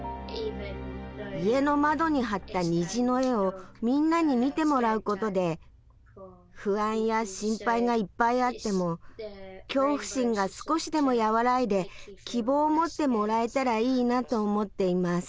家の窓に貼った虹の絵をみんなに見てもらうことで不安や心配がいっぱいあっても恐怖心が少しでも和らいで希望を持ってもらえたらいいなと思っています。